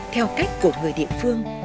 theo cách của người địa phương